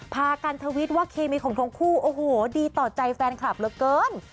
พากันทวิตว่าเคมีของทั้งคู่โอ้โหดีต่อใจแฟนคลับเหลือเกิน